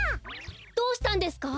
どうしたんですか？